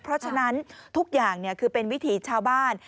เพราะฉะนั้นทุกอย่างคือเป็นวิถีชาวบ้าน